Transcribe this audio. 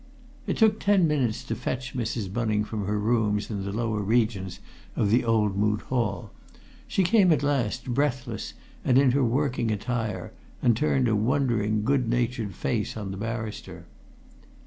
It took ten minutes to fetch Mrs. Bunning from her rooms in the lower regions of the old Moot Hall. She came at last, breathless, and in her working attire, and turned a wondering, good natured face on the barrister.